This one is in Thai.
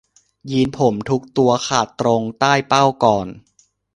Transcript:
ยีนส์ผมทุกตัวขาดตรงใต้เป้าก่อน